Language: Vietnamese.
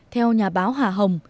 theo nhà báo hà hồng